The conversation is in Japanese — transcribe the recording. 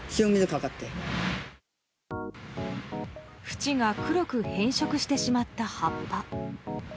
縁が黒く変色してしまった葉っぱ。